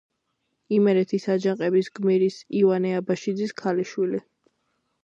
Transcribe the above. იმერეთის აჯანყების გმირის ივანე აბაშიძის ქალიშვილი.